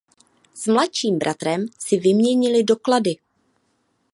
S mladším bratrem si vyměnili doklady.